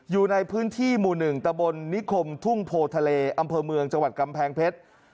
อยู่ในพื้นที่หมู่๑ตะบลนิคมทุ่งโพทะเลอำเภอเมืองจังหวัดกำแพงเพชร